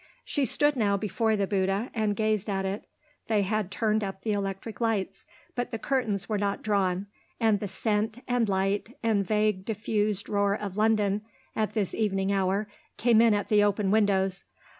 She stood now before the Bouddha and gazed at it. They had turned up the electric lights, but the curtains were not drawn and the scent, and light, and vague, diffused roar of London at this evening hour came in at the open windows.